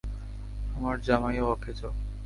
আমার জামাইও অকেজো!